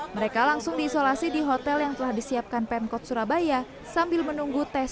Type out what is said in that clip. mereka langsung diisolasi di hotel yang telah disiapkan pemkot surabaya sambil menunggu tes